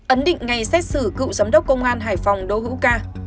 ấn định ngày xét xử cựu giám đốc công an hải phòng đỗ hữu ca